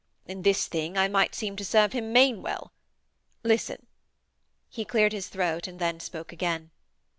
In this thing I might seem to serve him main well. Listen....' He cleared his throat and then spoke again.